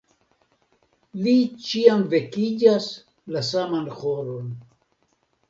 Li ĉiam vekiĝas la saman horon.